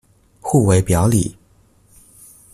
互為表裡